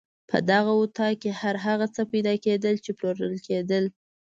په دغه اطاق کې هر هغه څه پیدا کېدل چې پلورل کېدل.